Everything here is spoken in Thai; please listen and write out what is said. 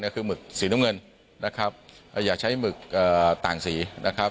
ก็คือหมึกสีน้ำเงินนะครับอย่าใช้หมึกต่างสีนะครับ